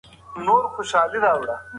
د ګډو ګټو مخالفت مه کوه.